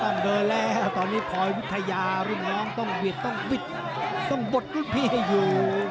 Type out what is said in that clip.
ต้องเดินแล้วตอนนี้คอยวิทยารุ่นน้องต้องบิดต้องบิดต้องบดรุ่นพี่ให้อยู่